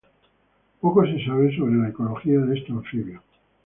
Poco se sabe sobre la ecología de este anfibio.